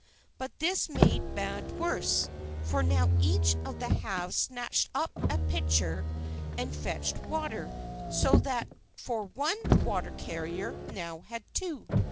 But this made bad worse; for now each of the halves snatched up a pitcher and fetched water; so that for one water carrier I now had two.